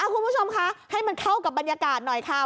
คุณผู้ชมคะให้มันเข้ากับบรรยากาศหน่อยค่ะ